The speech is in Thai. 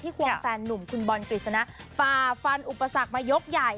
ควงแฟนนุ่มคุณบอลกฤษณะฝ่าฟันอุปสรรคมายกใหญ่